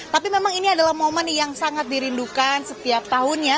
tapi memang ini adalah momen yang sangat dirindukan setiap tahunnya